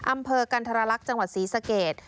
อำเภอกันธรรลักษณ์จังหวัดศรีสเกต